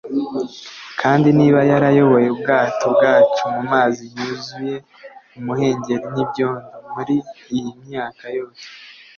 Kandi niba yarayoboye ubwato bwacu mu mazi yuzuye umuhengeri n’ibyondo muri iy’imyaka yose